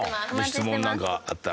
質問なんかあったら。